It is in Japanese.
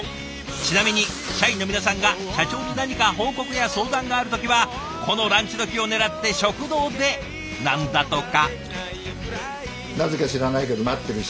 ちなみに社員の皆さんが社長に何か報告や相談がある時はこのランチ時を狙って食堂でなんだとか。